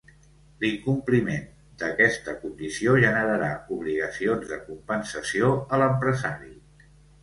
L'incompliment d'aquesta condició generarà obligacions de compensació a l'empresari.